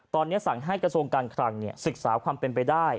ตอนนี้สั่งให้กระทรวงการคลังศึกษาความเป็นไปได้